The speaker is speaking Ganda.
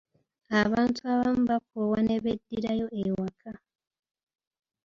Abantu abamu baakoowa ne beddirayo ewaka.